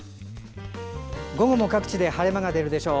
午後も各地で晴れ間が出るでしょう。